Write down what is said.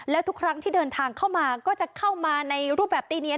แล้วทุกครั้งที่เดินทางเข้ามาก็จะเข้ามาในรูปแบบตีเนียน